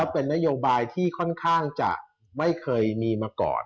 เป็นนโยบายที่ค่อนข้างจะไม่เคยมีมาก่อน